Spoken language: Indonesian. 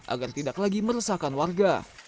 agar tidak lagi meresahkan warga